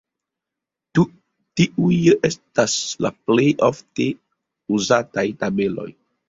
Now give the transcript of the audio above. Tiuj estas la plej ofte uzataj tabeloj.